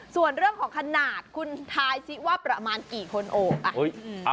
ส่วนเรื่องของขนาดคุณทายสิว่าประมาณกี่คนโอบ